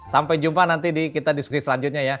sampai jumpa nanti di kita diskusi selanjutnya ya